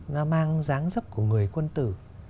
nó mang dáng dấp của người quân tử